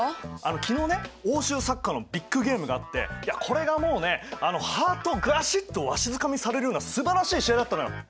昨日ね欧州サッカーのビッグゲームがあってこれがもうねハートをガシッとわしづかみされるようなすばらしい試合だったのよ！